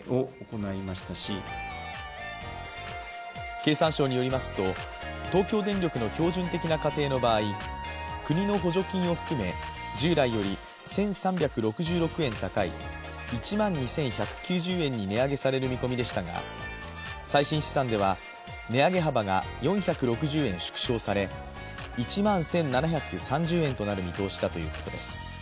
経産省によりますと東京電力の標準的な家庭の場合、国の補助金を含め、従来より１３６６円高い１万２１９０円に値上げされる見込みでしたが、最新試算では値上げ幅が４６０円縮小され１万１７３０円となる見通しだということです。